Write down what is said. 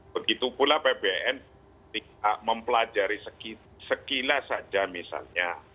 begitu pula pbn tidak mempelajari sekilas saja misalnya